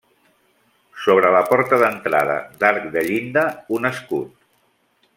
Sobre la porta d'entrada d'arc de llinda, un escut.